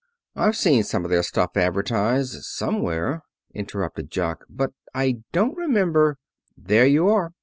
"I've seen some of their stuff advertised somewhere," interrupted Jock, "but I don't remember " "There you are.